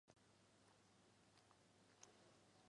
瑟普瓦人口变化图示